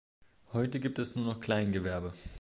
Heute gibt es nur noch Kleingewerbe.